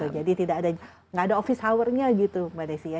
jadi tidak ada office hournya gitu mbak desi ya